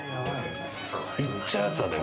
いっちゃうやつだね。